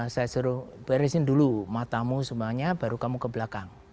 saya suruh beresin dulu matamu semuanya baru kamu ke belakang